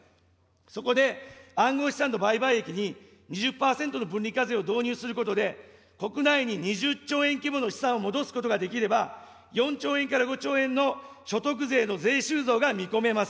そこで、暗号資産の売買益に２０％の分離課税を導入することで、国内に２０兆円規模の資産を戻すことができれば、４兆円から５兆円の所得税の税収増が見込めます。